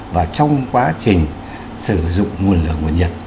và trong quá trình sử dụng nguồn lửa nguồn nhiệt